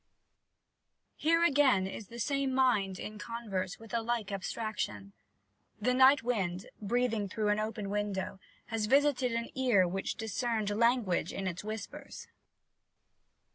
Here again is the same mind in converse with a like abstraction. "The Night Wind," breathing through an open window, has visited an ear which discerned language in its whispers.